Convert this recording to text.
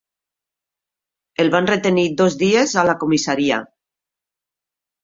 El van retenir dos dies a la comissaria.